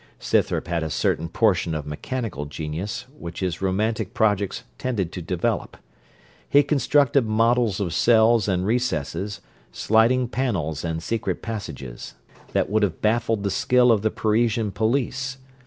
Scythrop had a certain portion of mechanical genius, which his romantic projects tended to develope. He constructed models of cells and recesses, sliding panels and secret passages, that would have baffled the skill of the Parisian police.